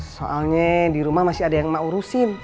soalnya di rumah masih ada yang mau urusin